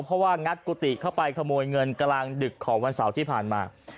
เพราะว่างัดกุฏิเข้าไปขโมยเงินกลางดึกของวันเสาร์ที่ผ่านมา